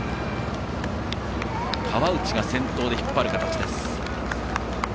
川内が先頭で引っ張る形です。